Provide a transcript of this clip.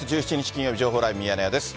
金曜日、情報ライブミヤネ屋です。